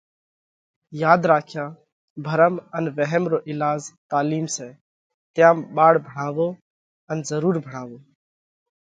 ياڌ راکيا ڀرم ان وهم رو ايلاز تعلِيم سئہ، تيام ٻاۯ ڀڻاوو ان ضرُور ڀڻاوو۔